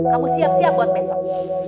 kamu siap siap buat besok